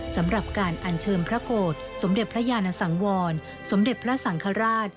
สำหรับการอัญเชิญพระโกรธสมเด็จพระยานสังวรสมเด็จพระสังฆราช